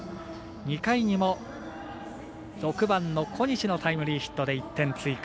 ２回にも６番の小西のタイムリーヒットで１点追加。